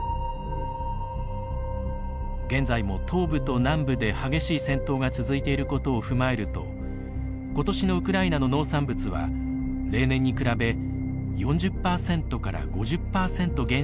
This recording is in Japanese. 現在も東部と南部で激しい戦闘が続いていることを踏まえると今年のウクライナの農産物は例年に比べ４０％から５０％減少するとしています。